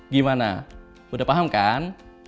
gimana udah paham kan